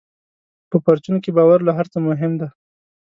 په پرچون کې باور له هر څه مهم دی.